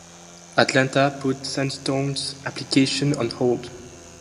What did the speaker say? Atlanta put Sandtown's application on hold.